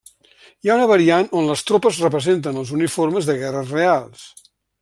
Hi ha una variant on les tropes representen els uniformes de guerres reals.